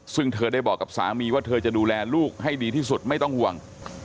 ซึ่งเธอได้บอกกับสามีว่าเธอจะดูแลลูกให้ดีที่สุดไม่ต้องห่วง